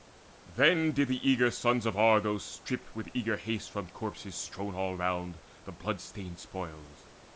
Then did the warrior sons of Argos strip With eager haste from corpses strown all round The blood stained spoils.